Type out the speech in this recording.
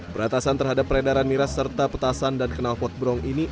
beratasan terhadap peredaran miras serta petasan dan kenal potbrong ini